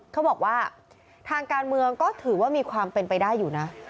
เขาบอกว่าทางการเมืองก็ถือว่ามีความเป็นไปได้อยู่นะ